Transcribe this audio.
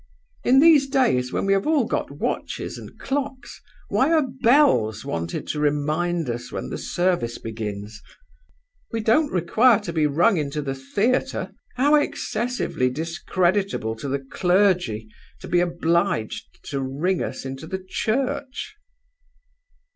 In these days, when we have all got watches and clocks, why are bells wanted to remind us when the service begins? We don't require to be rung into the theater. How excessively discreditable to the clergy to be obliged to ring us into the church!"